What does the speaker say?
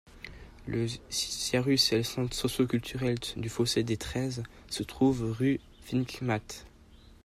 Le Ciarus et le centre socio-culturel du Fossé des Treize se trouvent rue Finkmatt.